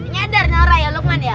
nyadar naura ya lukman ya